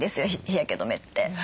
日焼け止めって。